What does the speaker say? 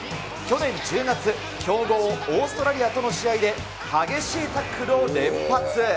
去年１０月、強豪、オーストラリアとの試合で、激しいタックルを連発。